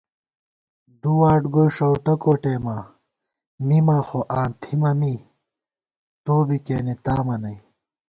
دُو واٹ گوئی شؤٹہ کوٹېما، مِما خو آں تھِمہ می، تو بی کېنےتامہ نئ